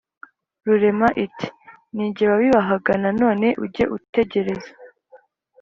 rurema iti:” ni jye wabibahaga nanone ujye utegereza,